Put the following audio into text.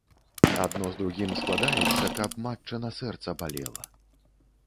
Адно з другім складаецца, каб матчына сэрца балела.